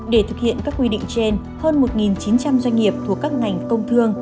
để thực hiện các quy định trên hơn một chín trăm linh doanh nghiệp thuộc các ngành công thương